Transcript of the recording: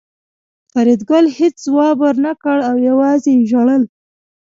فریدګل هېڅ ځواب ورنکړ او یوازې یې ژړل